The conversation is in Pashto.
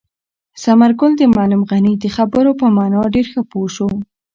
ثمر ګل د معلم غني د خبرو په مانا ډېر ښه پوه شو.